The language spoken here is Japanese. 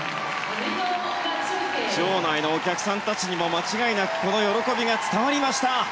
場内のお客さんたちにも間違いなくこの喜びが伝わりました。